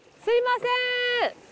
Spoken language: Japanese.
すみません！